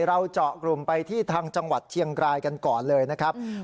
เราเจาะกลุ่มไปที่ทางจังหวัดเชียงรายกันก่อนเลยนะครับ